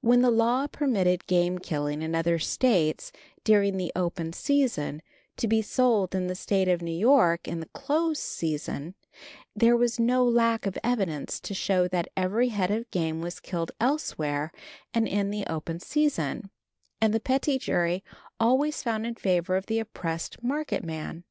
When the law permitted game killed in other States during the open season to be sold in the State of New York in the close season, there was no lack of evidence to show that every head of game was killed elsewhere and in the open season, and the petit jury always found in favor of the oppressed market man.